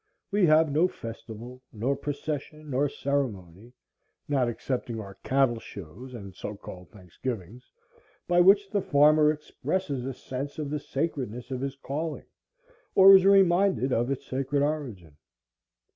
We have no festival, nor procession, nor ceremony, not excepting our Cattle shows and so called Thanksgivings, by which the farmer expresses a sense of the sacredness of his calling, or is reminded of its sacred origin.